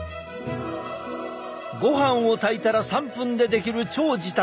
ごはんを炊いたら３分で出来る超時短